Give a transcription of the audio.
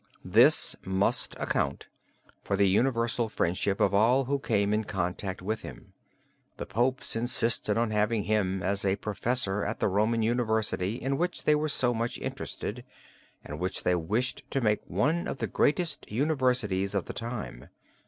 This must account for the universal friendship of all who came in contact with him. The popes insisted on having him as a professor at the Roman university in which they were so much interested, and which they wished to make one of the greatest universities of the time.